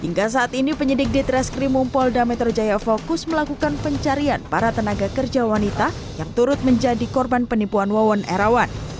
hingga saat ini penyidik di treskrimum polda metro jaya fokus melakukan pencarian para tenaga kerja wanita yang turut menjadi korban penipuan wawon erawan